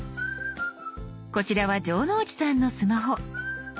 こちらは城之内さんのスマホ。